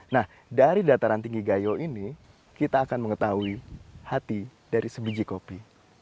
nah dari dataran tinggi gayo ini kita akan mengetahui hati dari sebiji kopi